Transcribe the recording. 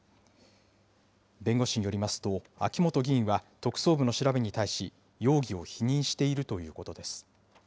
弁護士によりますと、秋本議員は特捜部の調べに対し、容疑を否認しているということです。